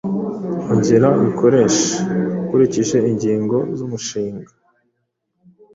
ongera uyikoreshe ukurikije ingingo zumushinga